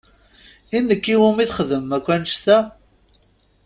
I nekk i wumi txedmem akk annect-a?